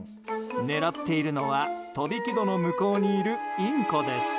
狙っているのは引き戸の向こうにいるインコです。